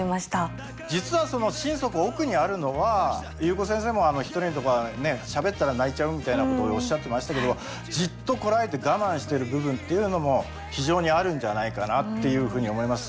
実はその心底奥にあるのは夕子先生も一人とかしゃべったら泣いちゃうみたいなことおっしゃってましたけどもじっとこらえて我慢してる部分っていうのも非常にあるんじゃないかなというふうに思います。